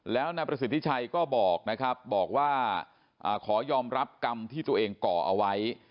แล้วนายประสิทธิชัยก็บอกนะครับบอกว่าขอยอมรับกรรมที่ตัวเองก่อเอาไว้